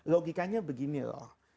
logikanya begini loh